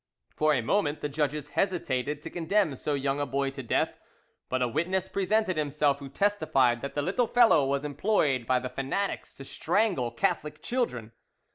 For a moment the judges hesitated to condemn so young a boy to death, but a witness presented himself who testified that the little fellow was employed by the fanatics to strangle Catholic children.